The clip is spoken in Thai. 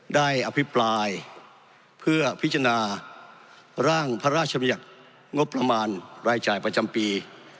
ได้อภิปรายเพื่อพิจารณาร่างพระราชมยักษ์งบประมาณรายจ่ายประจำปี๒๕๖๖